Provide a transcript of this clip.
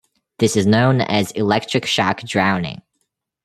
This is known as electric shock drowning.